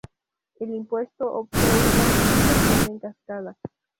El impuesto optó por una tributación en cascada.